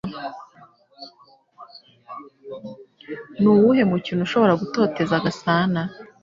Ni uwuhe mukino ushobora gutoteza Gasana?